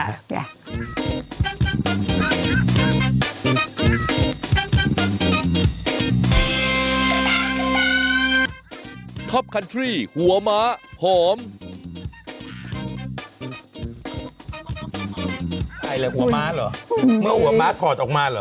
ใครแหละหัวมากเหรอวันหัวมากถอดออกมาเหรอ